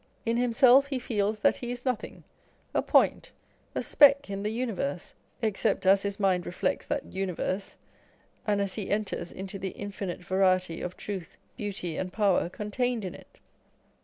In himself he feels that he is nothing, a point, a speck in the universe, except as his mind reflects that universe, and as he enters into the infinite variety of truth, beauty, and power contained in it.